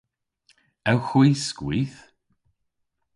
Ewgh hwi skwith?